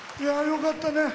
よかったね。